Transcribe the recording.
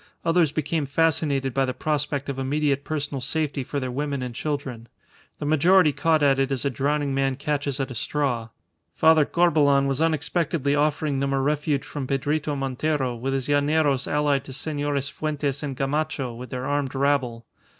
Others became fascinated by the prospect of immediate personal safety for their women and children. The majority caught at it as a drowning man catches at a straw. Father Corbelan was unexpectedly offering them a refuge from Pedrito Montero with his llaneros allied to Senores Fuentes and Gamacho with their armed rabble.